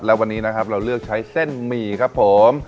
และวันนี้นะครับเราเลือกใช้เส้นหมี่ครับผม